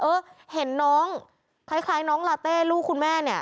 เออเห็นน้องคล้ายน้องลาเต้ลูกคุณแม่เนี่ย